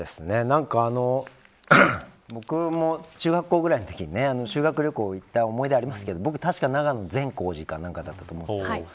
僕も中学校ぐらいのときに修学旅行に行った思い出がありますけど僕、確か、長野の善光寺か何かだったと思うんです。